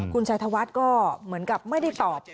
คุณชัยธวัฒน์ก็เหมือนกับไม่ได้ตอบ